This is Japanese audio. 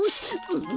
うん。